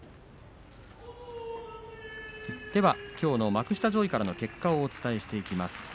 きょうの幕下上位からの結果をお伝えしていきます。